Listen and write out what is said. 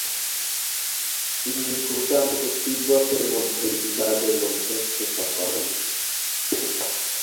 তিনি ভুটান ও তিব্বতের মধ্যে বিবাদের মধ্যস্থতা করেন।